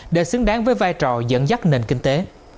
để xứng đáng với vai trò dẫn dắt nền kinh tế